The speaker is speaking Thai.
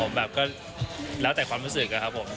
ผมแบบก็แล้วแต่ความรู้สึกอะครับผม